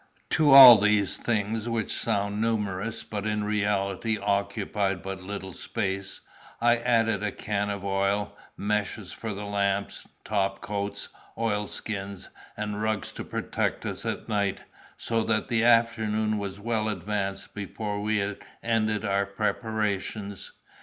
To all these things, which sound numerous, but in reality occupied but little space, I added a can of oil, meshes for the lamps, top coats, oil skins, and rugs to protect us at night, so that the afternoon was well advanced before we had ended our preparations.